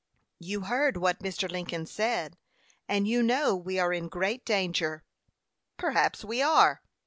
"You heard what Mr. Lincoln said, and you know we are in great danger." "Perhaps we are."